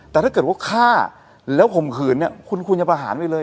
แต่ถ้าเกิดว่าฆ่าแล้วข่มขืนเนี่ยคุณควรจะประหารไปเลย